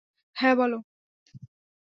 হ্যাঁ, বল?